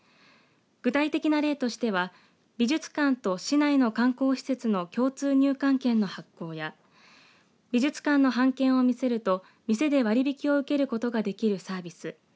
具体的な例としては美術館と市内の観光施設の共通入館券の発行や美術館の半券を見せると店で割引を受けることができるサービス